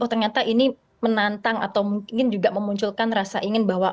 oh ternyata ini menantang atau mungkin juga memunculkan rasa ingin bahwa